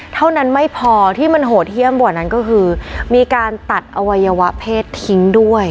เท่านั้นไม่พอที่มันโหดเยี่ยมกว่านั้นก็คือมีการตัดอวัยวะเพศทิ้งด้วย